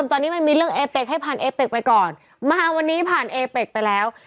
ตอนนี้มันมีเรื่องเอเป็กให้ผ่านเอเป็กไปก่อนมาวันนี้ผ่านเอเป็กไปแล้ว